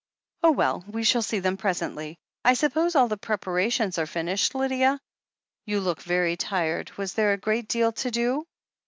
"Oh, well, we shall see them presently. I suppose all the preparations are finished, Lydia? You look very tired. Was there a great deal to do?"